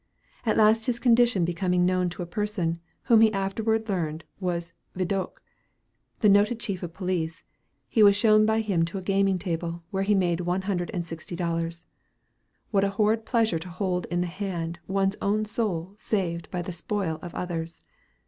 At last his condition becoming known to a person, whom he afterward learned was Vidocq, the noted Chief of Police, he was shown by him to a gaming table, where he made one hundred and sixty dollars. "What a hideous joy I felt," he said afterward; "what a horrid pleasure to hold in the hand one's own soul saved by the spoil of others!"